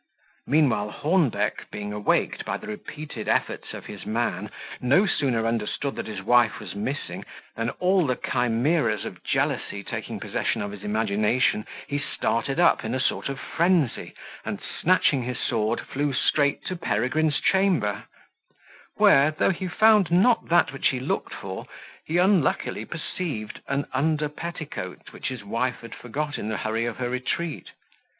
Meanwhile Hornbeck, being awaked by the repeated efforts of his man, no sooner understood that his wife was missing, than all the chimeras of jealousy taking possession of his imagination, he started up in a sort of frenzy, and, snatching his sword, flew straight to Peregrine's chamber; where, though he found not that which he looked for, he unluckily perceived an under petticoat, which his wife had forgot in the hurry of her retreat.